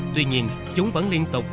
tuy nhiên chúng vẫn liên tục